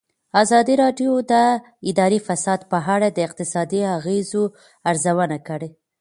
ازادي راډیو د اداري فساد په اړه د اقتصادي اغېزو ارزونه کړې.